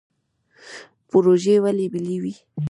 پروژې ولې ملي وي؟